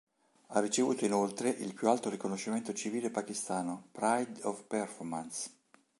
Ha ricevuto inoltre il più alto riconoscimento civile pakistano, Pride of Performance.